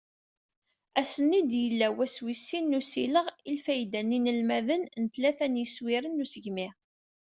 Ass-nni i d-yella wass wis sin n usileɣ i lfayda n yinelmaden n tlata n yiswiren n usegmi.